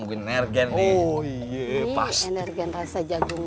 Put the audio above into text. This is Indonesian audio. ini rasa jagung